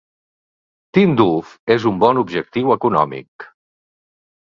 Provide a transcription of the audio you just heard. Tindouf és un bon objectiu econòmic.